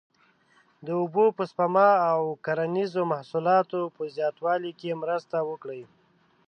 د اوبو په سپما او د کرنیزو محصولاتو په زیاتوالي کې مرسته وکړي.